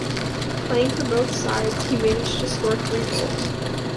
Playing for both sides, he managed to score three goals.